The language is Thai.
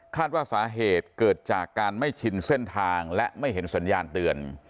ว่าสาเหตุเกิดจากการไม่ชินเส้นทางและไม่เห็นสัญญาณเตือน